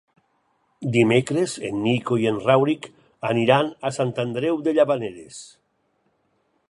Dimecres en Nico i en Rauric aniran a Sant Andreu de Llavaneres.